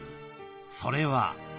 それは？